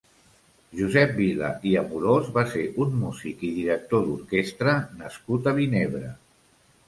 Josep Vila i Amorós va ser un músic i director d'orquestra nascut a Vinebre.